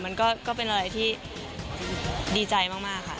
มันก็เป็นอะไรที่ดีใจมากค่ะ